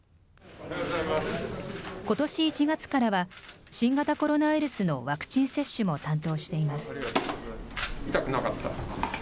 ことし１月からは、新型コロナウイルスのワクチン接種も担当しています。